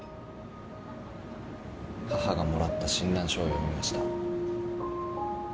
母がもらった診断書を読みました。